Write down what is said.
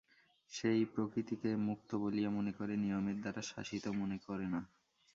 সে এই প্রকৃতিকে মুক্ত বলিয়া মনে করে, নিয়মের দ্বারা শাসিত মনে করে না।